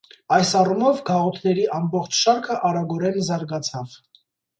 Այս առումով գաղութների ամբողջ շարքը արագորեն զարգացավ։